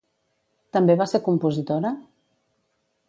També va ser compositora?